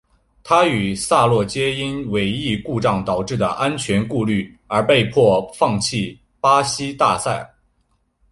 他与萨洛皆因尾翼故障导致的安全顾虑而被迫放弃巴西大奖赛。